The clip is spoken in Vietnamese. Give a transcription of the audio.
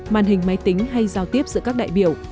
màn hình máy tính hay giao tiếp giữa các đại biểu